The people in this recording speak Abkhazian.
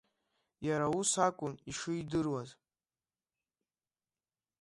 Иара ус акәын ишидыруаз.